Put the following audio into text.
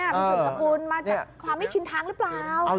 ผิวสมความคิดมาจากความไม่ชึ้นทางหรือเปล่า